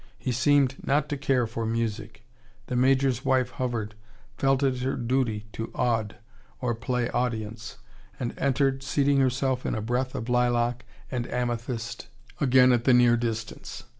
He seemed not to care for music. The Major's wife hovered felt it her duty to aude, or play audience and entered, seating herself in a breath of lilac and amethyst again at the near distance.